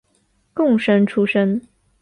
贡生出身。